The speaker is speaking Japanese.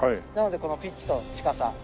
なのでこのピッチと近さ。